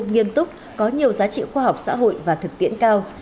nghiêm túc có nhiều giá trị khoa học xã hội và thực tiễn cao